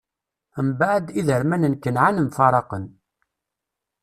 Mbeɛd, iderman n Kanɛan mfaṛaqen.